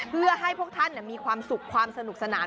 เพื่อให้พวกท่านมีความสุขความสนุกสนาน